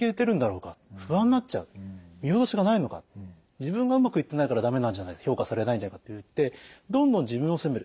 自分がうまくいってないから駄目なんじゃないか評価されないんじゃないかといってどんどん自分を責める。